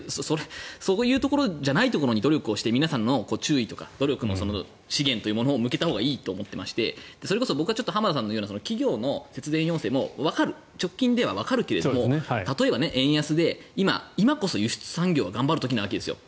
そういうところじゃないところに努力をして皆さんの注意とか資源とかを向けたほうがいいと思っていまして僕は浜田さんの言うような企業の節電要請もわかる直近ではわかるけども例えば、円安で今こそ輸出産業は頑張る時なわけですよ。